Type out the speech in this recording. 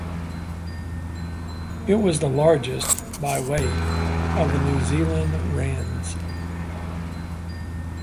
It was the largest (by weight) of the New Zealand wrens.